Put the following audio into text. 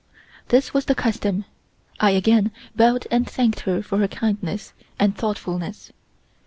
This was the custom. I again bowed and thanked her for her kindness and thoughtfulness.